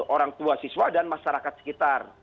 orang tua siswa dan masyarakat sekitar